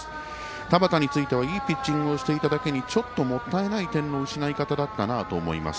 田端についてはいいピッチングをしただけにもったいない点の失い方だったと思います。